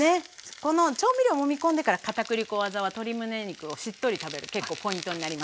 この調味料をもみ込んでから片栗粉技は鶏むね肉をしっとり食べる結構ポイントになります。